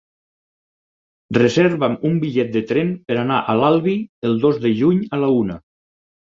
Reserva'm un bitllet de tren per anar a l'Albi el dos de juny a la una.